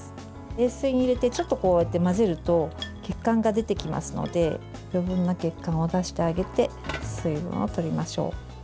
冷水に入れてちょっと混ぜると血管が出てきますので余分な血管を出してあげて水分を取りましょう。